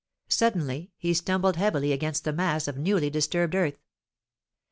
Suddenly he stumbled heavily against a mass of newly disturbed earth.